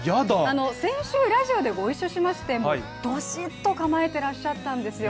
先週ラジオでご一緒しましてドシッと構えていらっしゃったんですよ。